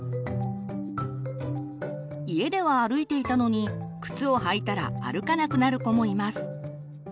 家では歩いていたのに靴を履いたら歩かなくなる子もいます。